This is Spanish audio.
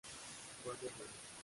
Cuándo el Gral.